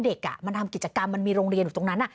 เด็กมันทำกิจกรรมมันมีโรงเรียนอยู่ตรงนั้น